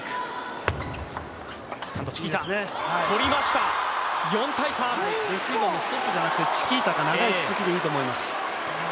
取りました、４−３レシーバーもストップじゃなくてチキータとツッツキでいくと思います。